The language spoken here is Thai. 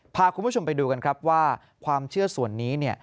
พาคุณผู้ชมไปดูกันครับว่าความเชื่อส่วนนี้เนี่ย